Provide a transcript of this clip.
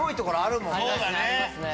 ありますね